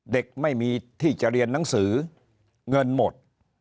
เด็กไม่มีที่จะเรียนหนังสือเงินหมด